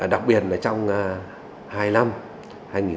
đặc biệt là trong các dịch vụ xã hội